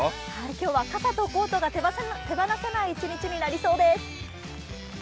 今日は傘とコートが手放せない一日になりそうです。